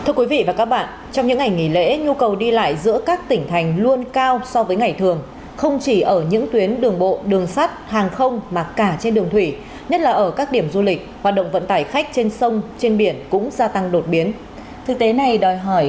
các bạn hãy đăng ký kênh để ủng hộ kênh của chúng mình nhé